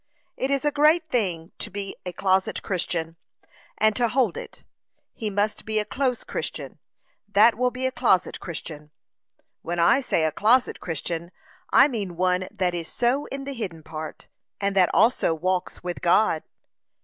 It is a great thing to be a closet Christian, and to hold it; he must be a close Christian, that will be a closet Christian. When I say a closet Christian, I mean one that is so in the hidden part, and that also walks with God.